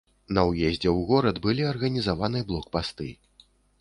На ўездзе ў горад былі арганізаваны блокпасты.